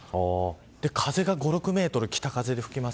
風が、５６メートル北風が吹きます。